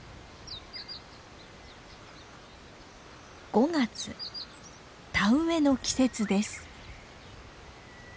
５月田植えの季節です。